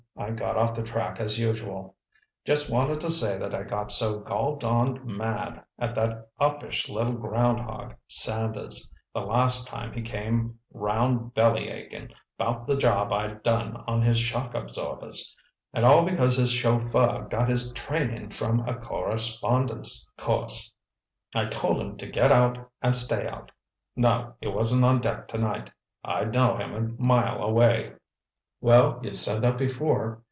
I got off the track, as usual. Just wanted to say that I got so gol darned mad at that uppish little groundhog, Sanders, the last time he came 'round bellyachin' 'bout the job I done on his shock absorbers—and all because his chauffeur got his training from a correspondence course—I told him to get out and stay out. No, he wasn't on deck tonight—I'd know him a mile away!" "Well, you said that before.